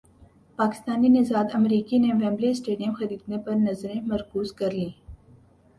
پاکستانی نژاد امریکی نے ویمبلے اسٹیڈیم خریدنے پر نظریں مرکوز کر لیں